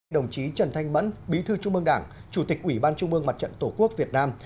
đồng chí trần thanh mẫn bí thư trung mương đảng chủ tịch ủy ban trung mương mặt trận tổ quốc việt nam